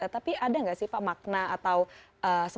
tapi ada nggak sih pak makna atau semacam filosofi dari setelah itu